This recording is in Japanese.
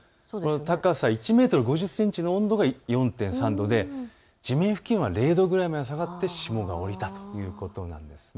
高さ１メートル５０センチの温度が４．３度で地面付近は０度まで下がって霜が降りたということです。